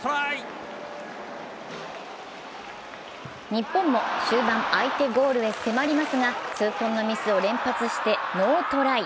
日本も終盤、相手ゴールへ迫りますが痛恨のミスを連発してノートライ。